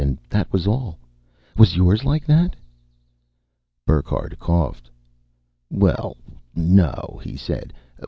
And that was all. Was yours like that?" Burckhardt coughed. "Well, no," he said.